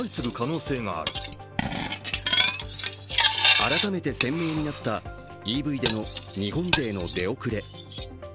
改めて鮮明になったＥＶでの日本勢の出遅れ。